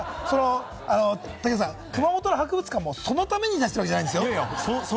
武田さん、熊本の博物館もそのために出してるわけじゃないですよ。